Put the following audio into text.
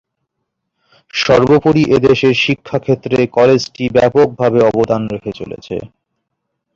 সর্বোপরি, এদেশের শিক্ষাক্ষেত্রে কলেজটি ব্যাপকভাবে অবদান রেখে চলছে।